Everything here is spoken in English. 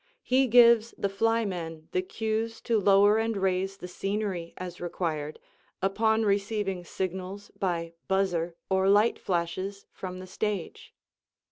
He gives the "flymen" the cues to lower and raise the scenery as required, upon receiving signals by "buzzer" or "light flashes" from the stage.